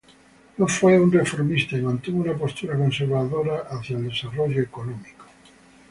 No fue un reformista y mantuvo una postura conservadora hacia el desarrollo económico.